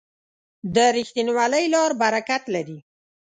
د رښتینولۍ لار برکت لري.